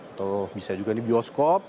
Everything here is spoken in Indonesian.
atau bisa juga di bioskop